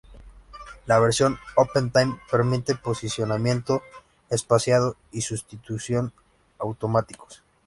La versión OpenType permite posicionamiento, espaciado y sustitución automáticos.